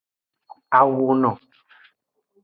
Awono.